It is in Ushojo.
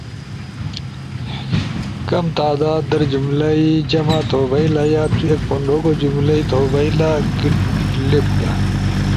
ُو کم تعداد در جملئی جمع توبھئیلایا تُو ایک پھونڈوگو جملئی تھوبھئیلا گٹ لیب۔